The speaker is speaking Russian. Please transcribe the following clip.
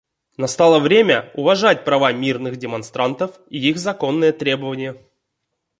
Настало время уважать права мирных демонстрантов и их законные требования.